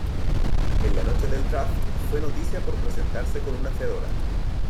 En la noche del draft fue noticia por presentarse con una fedora.